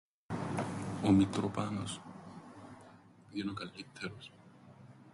Ο Μητροπάνος, εν' ο καλλύττερος.